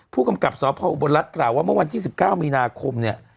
ผู้กำกับสอบพระอุบลรัฐกล่าวว่าเมื่อวันยี่สิบเก้ามีนาคมเนี้ย